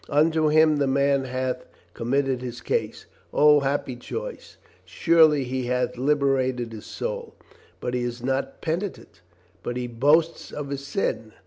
Unto Him the man hath committed his case. O happy choice! Surely he hath liberated his soul. But he is not penitent? But he boasts of his sin